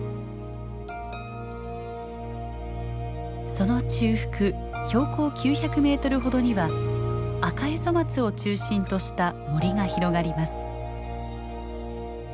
その中腹標高９００メートルほどにはアカエゾマツを中心とした森が広がります。